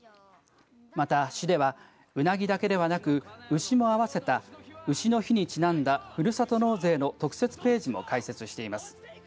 また、市ではうなぎだけでなく牛も合わせたうしの日にちなんだふるさと納税の特設ページも開設しています。